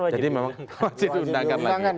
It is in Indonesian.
jadi memang wajib diundangkan lagi